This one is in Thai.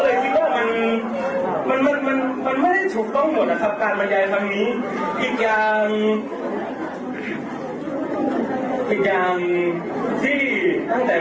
ก็คือเรื่องของการมีเสียงของครูเป็นคนรุ่นที่กำลังโตมาแทนรุ่นเราอย่างไรสักครู่ค่ะ